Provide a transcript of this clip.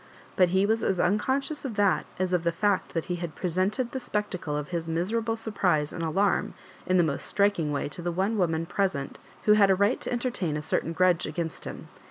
But he was as unconscious of that as of the fact that he had presented the spectacle of bis mise rable surprise and alarm in the most striking way to the one woman present who had a right to en tertain a certain grudge against him.